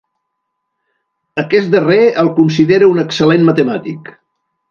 Aquest darrer el considera un excel·lent matemàtic.